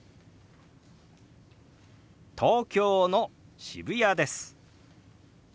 「東京の渋谷です」。